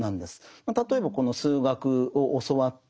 例えば数学を教わって